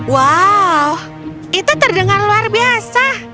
wow itu terdengar luar biasa